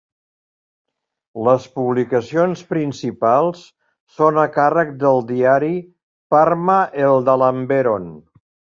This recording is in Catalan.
Les publicacions principals són a càrrec del diari Parma Eldalamberon.